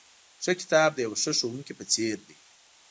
ښه کتاب د یوه ښه ښوونکي په څېر دی.